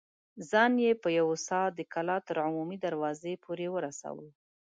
ځان يې په يوه سا د کلا تر عمومي دروازې پورې ورساوه.